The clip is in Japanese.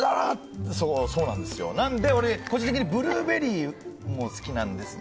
なので俺、個人的にブルーベリーも好きなんですね。